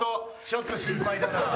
ちょっと心配だな。